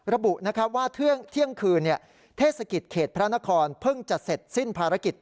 ระบุว่าเที่ยงคืนเทศกิจเขตพระนครเพิ่งจะเสร็จสิ้นภารกิจ